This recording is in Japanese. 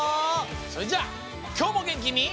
それじゃあきょうもげんきに。